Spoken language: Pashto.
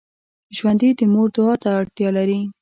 ژوندي د مور دعا ته اړتیا لري